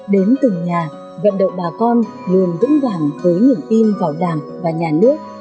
đến từng nhà gặp đậu bà con luôn vững vàng với những im vào đảng và nhà nước